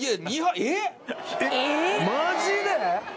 マジで！？